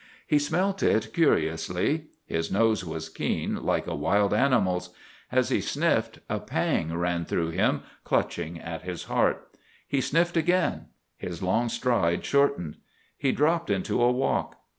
He smelt it curiously. His nose was keen, like a wild animal's. As he sniffed, a pang went through him, clutching at his heart. He sniffed again. His long stride shortened. He dropped into a walk.